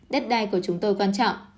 đất đai của chúng tôi quan trọng